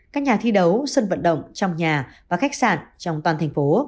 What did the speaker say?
các nhà thi đấu sân vận động trong nhà và khách sạn trong toàn thành phố